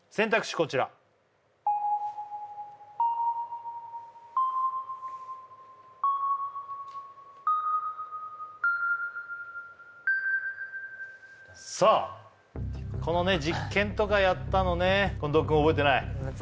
こちらさあこのね実験とかやったのね近藤くん覚えてない？